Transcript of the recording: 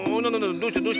どうしたどうした？